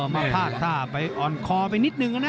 มาพาดท่าไปอ่อนคอไปนิดนึงนะ